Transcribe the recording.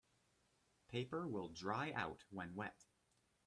Paper will dry out when wet.